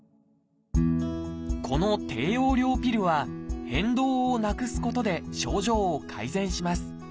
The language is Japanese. この低用量ピルは変動をなくすことで症状を改善します。